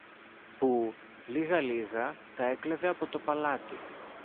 που λίγα-λίγα τα έκλεβε από το παλάτι.